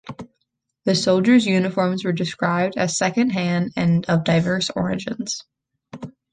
The soldiers' uniforms were described as second-hand and of diverse origins.